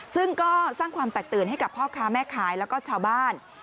ซึ่งก็สร้างความแตกตื่นให้กับพ่อค้าแม่ขายแล้วก็ชาวบ้าน